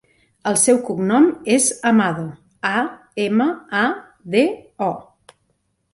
El seu cognom és Amado: a, ema, a, de, o.